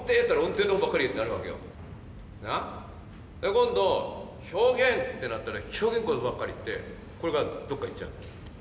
今度表現ってなったら表現のことばっかりいってこれがどっかいっちゃうの。